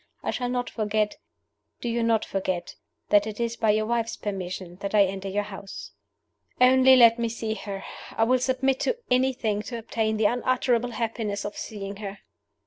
I shall not forget do you not forget that it is by your wife's permission that I enter your house.' "Only let me see her! I will submit to anything to obtain the unutterable happiness of seeing her!"